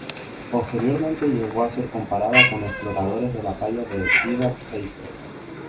Posteriormente llegó a ser comparada con exploradores de la talla de Ida Pfeiffer.